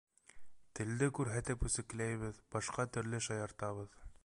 Телде күрһәтеп үсекләйбеҙ, башҡа төрлө шаяртабыҙ.